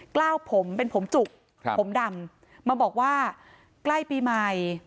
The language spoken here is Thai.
กล้าวผมเป็นผมจุกผมดำมาบอกว่าใกล้ปีใหม่